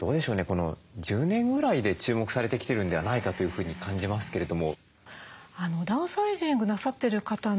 この１０年ぐらいで注目されてきてるんではないかというふうに感じますけれども。